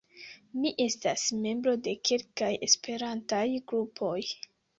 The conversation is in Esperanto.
Mi estas membro de kelkaj Esperantaj grupoj.